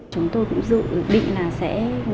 chúng tôi cũng dự định là sẽ